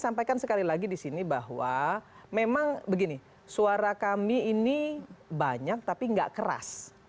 saya kan sekali lagi disini bahwa memang begini suara kami ini banyak tapi gak keras